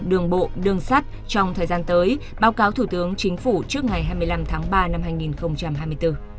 đường bộ đường sắt trong thời gian tới báo cáo thủ tướng chính phủ trước ngày hai mươi năm tháng ba năm hai nghìn hai mươi bốn